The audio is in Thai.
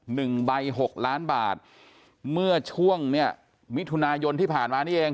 หนึ่งใบหกล้านบาทเมื่อช่วงเนี้ยมิถุนายนที่ผ่านมานี่เอง